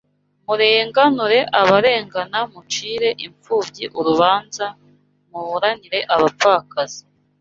murenganure abarengana mucire imfubyi urubanza muburanire abapfakazi